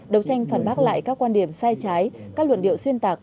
đấu tranh phản bác lại các quan điểm sai trái các luận điệu xuyên tạc